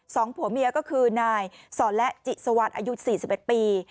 สองผัวเมียก็คือนายสอนและจิสวรรค์อายุ๔๑ปี